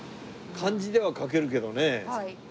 漢字では書けるけどね。